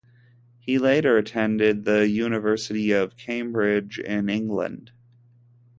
He later attended the University of Cambridge in England.